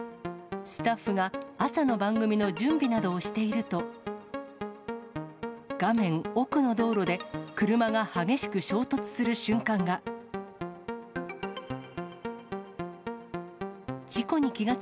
スタッフが朝の番組の準備などをしていると、画面奥の道路で車が激しく衝突する瞬間が。